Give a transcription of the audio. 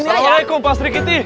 assalamualaikum pak sri kiti